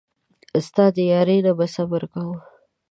ستا د یارۍ نه به صبر کوم.